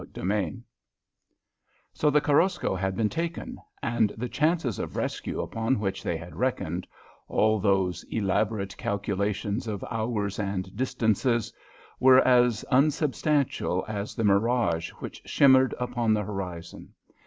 CHAPTER VI So the Korosko had been taken, and the chances of rescue upon which they had reckoned all those elaborate calculations of hours and distances were as unsubstantial as the mirage which shimmered upon the horizon.